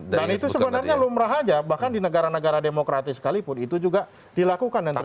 dan itu sebenarnya lumrah aja bahkan di negara negara demokrati sekalipun itu juga dilakukan dan terjadi